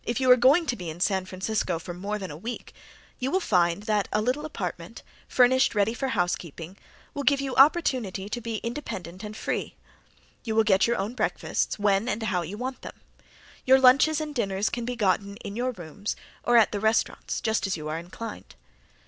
If you are going to be in San Francisco for more than a week, you will find that a little apartment, furnished ready for housekeeping, will give you opportunity to be independent and free. You will get your own breakfasts, when and how you want them. Your luncheons and dinners can be gotten in your rooms or at the restaurants just as you are inclined.